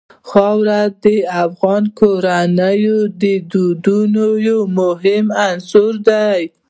خاوره د افغان کورنیو د دودونو یو مهم عنصر دی.